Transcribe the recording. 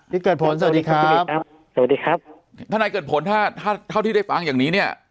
เกิดผลสวัสดีครับสวัสดีครับทนายเกิดผลถ้าถ้าเท่าที่ได้ฟังอย่างนี้เนี่ย